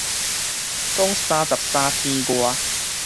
講三十三天外